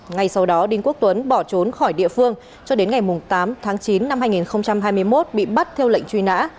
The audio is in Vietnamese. ngay sau đó đinh quốc tuấn bỏ trốn khỏi địa phương cho đến ngày tám tháng chín năm hai nghìn hai mươi một bị bắt theo lệnh truy nã